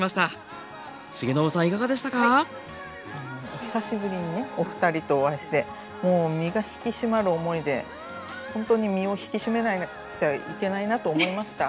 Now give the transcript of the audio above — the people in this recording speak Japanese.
お久しぶりにねお二人とお会いしてもう身が引き締まる思いでほんとに身を引き締めないといけないなと思いました。